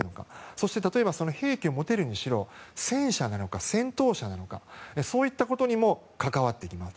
そして、兵器を持てるにしろ戦車なのか戦闘車なのかそういったことにも関わってきます。